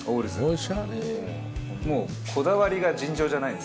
もうこだわりが尋常じゃないんですよ